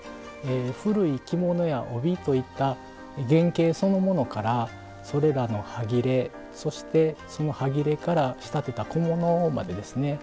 古い着物や帯といった原形そのものからそれらのはぎれそしてそのはぎれから仕立てた小物までですね